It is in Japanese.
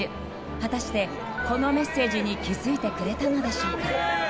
果たして、このメッセージに気づいてくれたのでしょうか。